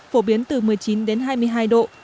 phổ biến từ một mươi chín đến hai mươi hai độ